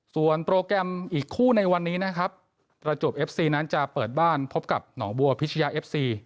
ส่วนโปรแกรมอีกคู่ในวันนี้นะครับประจวบเอฟซีนั้นจะเปิดบ้านพบกับหนองบัวพิชยาเอฟซี